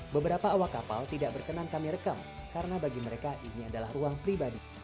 beberapa awak kapal tidak berkenan kami rekam karena bagi mereka ini adalah ruang pribadi